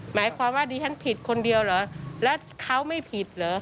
หมายความว่าดิฉันผิดคนเดียวเหรอแล้วเขาไม่ผิดเหรอ